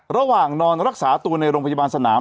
ระหว่างนอนรักษาตัวในโรงพยาบาลสนาม